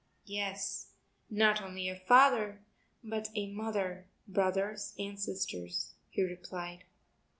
"Yes, not only a father, but a mother, brothers and sisters," he replied.